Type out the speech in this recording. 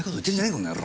この野郎！